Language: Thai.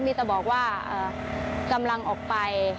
มีแต่บอกว่ากำลังออกไป